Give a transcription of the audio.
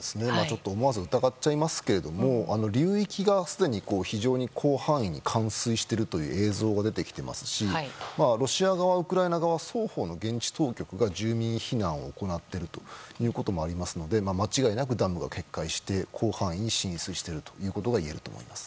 思わず疑っちゃいますけども流域が、すでに非常に広範囲に冠水しているという映像が出てきていますしロシア側、ウクライナ側で双方の現地当局が住民避難を行っているということもありますので間違いなくダムが決壊して広範囲に浸水しているといえると思います。